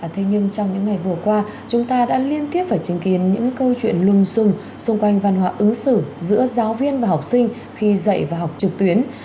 thế nhưng trong những ngày vừa qua chúng ta đã liên tiếp phải chứng kiến những câu chuyện lung sùng xung quanh văn hóa ứng xử giữa giáo viên và học sinh khi dạy và học trực tuyến